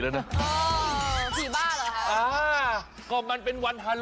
คุณชนะเห็นมันอยู่หลัด